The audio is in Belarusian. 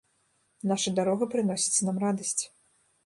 Наша дарога прыносіць нам радасць.